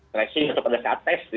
tracing atau pada saat tes